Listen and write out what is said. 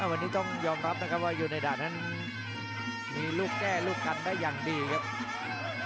วันนี้ต้องยอมรับนะครับว่ายูเนดานั้นมีลูกแก้ลูกกันได้อย่างดีครับ